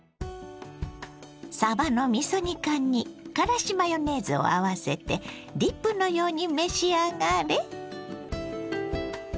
さばのみそ煮缶にからしマヨネーズを合わせてディップのように召し上がれ。